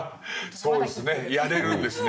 そうですねやれるんですね。